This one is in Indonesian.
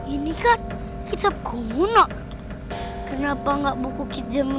ini kan kitab komuna kenapa ga buku kitjamu